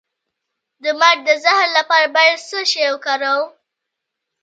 د مار د زهر لپاره باید څه شی وکاروم؟